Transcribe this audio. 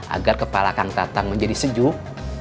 agar kepala kang tatang menjadi sejuk